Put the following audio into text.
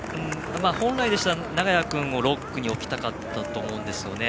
本来でしたら、長屋君を６区に置きたかったと思うんですよね。